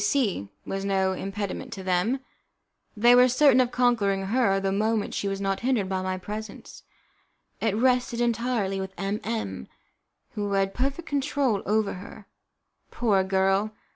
C C was no impediment to them. They were certain of conquering her the moment she was not hindered by my presence. It rested entirely with M M , who had perfect control over her. Poor girl!